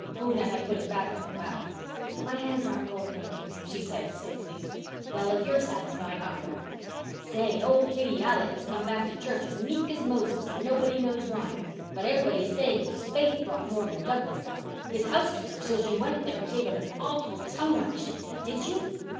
Una had put it back on the bough. "My hands aren't cold, thank you," she said stiffly. "Well, if you're satisfied, I am. Say, old Kitty Alec has come back to church as meek as Moses and nobody knows why. But everybody is saying it was Faith brought Norman Douglas out. His housekeeper says you went there and gave him an awful tongue lashing. Did you?"